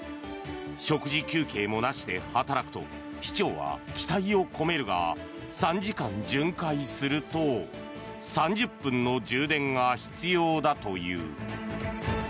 食事休憩もなく働くと市長は期待を込めるが３時間巡回すると３０分の充電が必要だという。